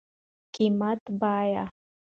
قيمت √ بيه